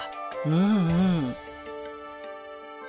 うんうん。